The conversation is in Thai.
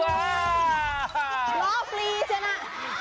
ล้อปลีใช่ไหม